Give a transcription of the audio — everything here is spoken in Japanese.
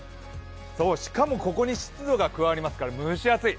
しかも、ここに湿度が加わりますから蒸し暑い。